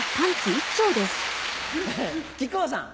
木久扇さん。